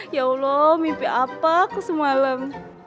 ya allah mimpi apa aku semalam